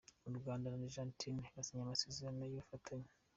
U Rwanda na Argentine basinye amasezerano y’ubufatanye.